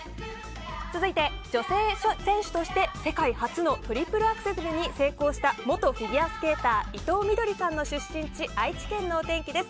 続いて女性選手として世界初のトリプルアクセルに成功した元フィギュアスケーター伊藤みどりさんの出身地愛知県のお天気です。